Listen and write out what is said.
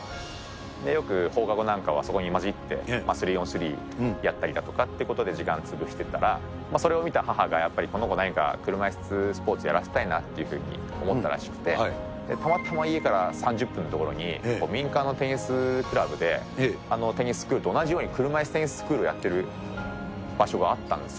よく放課後なんかはそこに混じって、スリーオンスリーやったりだとか、時間潰してたら、それを見た母が、何かこの子、車いすスポーツやらせたいなと思ったらしくて、たまたま家から３０分の所に、民間のテニスクラブでテニススクールと同じように車いすテニススクールをやってる場所があったんですよ。